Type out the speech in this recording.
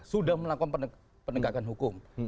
sudah melakukan penegakan hukum